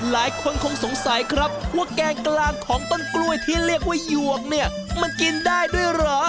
หลายคนคงสงสัยครับว่าแกงกลางของต้นกล้วยที่เรียกว่าหยวกเนี่ยมันกินได้ด้วยเหรอ